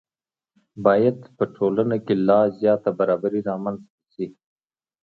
باید په ټولنه کې لا زیاته برابري رامنځته شي.